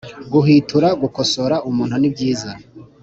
Guhwitura Gukosora umuntu ni byiza